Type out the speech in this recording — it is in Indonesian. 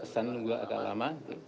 saya menunggu agak lama